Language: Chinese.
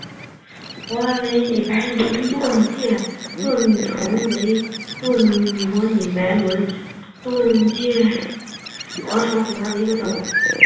柿拟白轮盾介壳虫为盾介壳虫科拟白轮盾介壳虫属下的一个种。